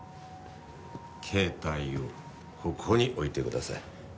携帯をここに置いてください。